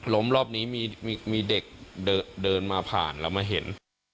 รอบนี้มีเด็กเดินมาผ่านแล้วมาเห็น